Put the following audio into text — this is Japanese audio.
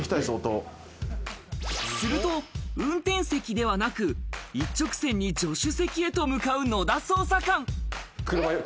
すると運転席ではなく、一直線に助手席へと向かう、野田と捜査官。